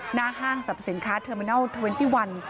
หน้าห้างสรรพสินค้าเทอร์มินัล๒๑